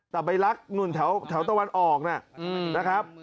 แต่ไปรักทรัพย์แถวตะวันออกนะนะครับ